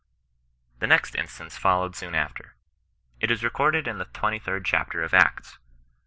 The next instance followed soon after. It is recorded in the 23d chapter of Acts.